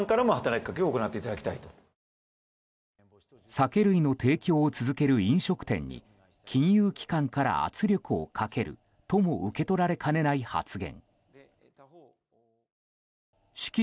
酒類の提供を続ける飲食店に金融機関から圧力をかけるとも受け取られかねない発言。